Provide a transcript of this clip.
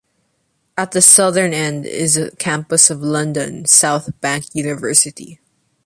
At the southern end is the campus of London South Bank University.